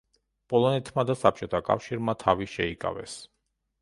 პოლონეთმა და საბჭოთა კავშირმა თავი შეიკავეს.